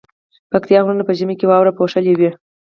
پکتيا غرونه په ژمی کی واورو پوښلي وی